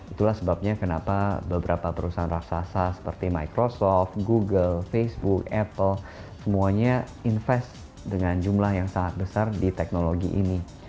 itulah sebabnya kenapa beberapa perusahaan raksasa seperti microsoft google facebook apple semuanya invest dengan jumlah yang sangat besar di teknologi ini